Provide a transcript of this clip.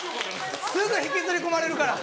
すぐ引きずり込まれるから。